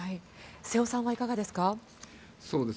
瀬尾さんはいかがですか？